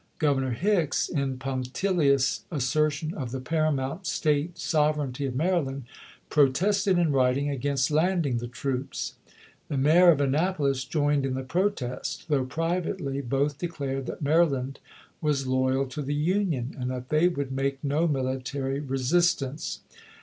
Governor Hicks, in punctilious asser tion of the paramount State sovereignty of Mary land, protested, in writing, against landing the troops. The Mayor of Annapolis joined in the protest ; though privately both declared that Mary land was loyal to the Union, and that they would make no military resistance.